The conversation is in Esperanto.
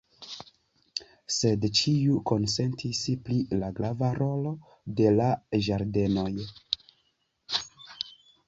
Sed ĉiu konsentis pri la grava rolo de la ĝardenoj.